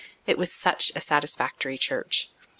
It was such a satisfactory church.